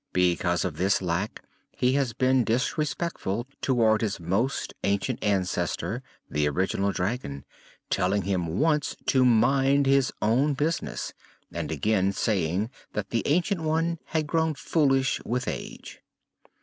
Because of this lack, he has been disrespectful toward his most ancient ancestor, the Original Dragon, telling him once to mind his own business and again saying that the Ancient One had grown foolish with age.